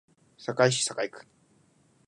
堺市堺区